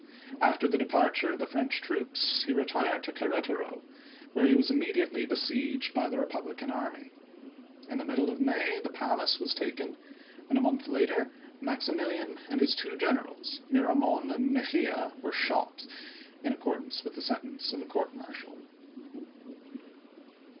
After the de parture of the French troops he retired to Quere taro, where he was immediately besieged by the Eepublican army. In the middle of May the place was taken, and a month later Maximilian and his two generals, Miramon and Mejia, were shot, in accordance with the sentence of a court martial.